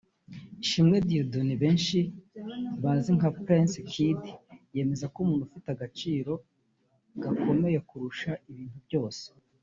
Ishimwe Dieudonne benshi bazi nka Prince Kid yemeza ko umuntu afite agaciro gakomeye kurusha ibintu byose